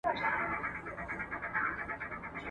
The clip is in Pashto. o په غم کي، د انا غم غيم.